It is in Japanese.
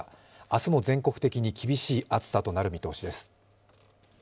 明日も全国的に厳しい暑さとなる見通しです。